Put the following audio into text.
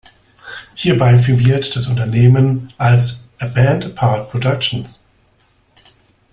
Hierbei firmiert das Unternehmen als "A Band Apart Productions".